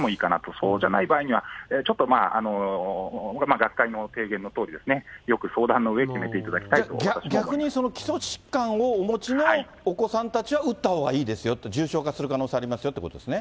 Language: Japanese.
そうじゃない場合には、ちょっと、学会の提言のとおり、よく相談のうえ、決めていただきたいと思い逆に、基礎疾患をお持ちのお子さんたちは打ったほうがいいですよと、重症化する可能性ありますよということですね。